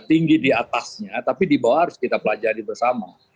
tinggi di atasnya tapi di bawah harus kita pelajari bersama